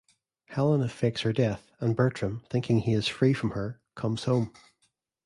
Helena fakes her death, and Bertram, thinking he is free of her, comes home.